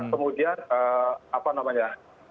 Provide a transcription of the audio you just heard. kemudian apa namanya